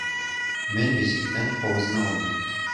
Men beshikdan qovuzni oldim.